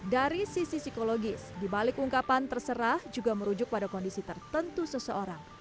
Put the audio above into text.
dari sisi psikologis dibalik ungkapan terserah juga merujuk pada kondisi tertentu seseorang